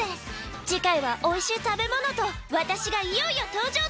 次回はおいしい食べ物と私がいよいよ登場デス！